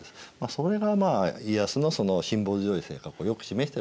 それが家康のその辛抱強い性格をよく示しているわけですね。